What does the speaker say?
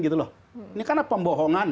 ini karena pembohongan